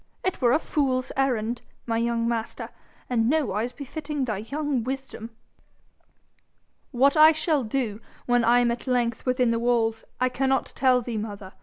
It were a fool's errand, my young master, and nowise befitting thy young wisdom.' 'What I shall do, when I am length within the walls, I cannot tell thee, mother.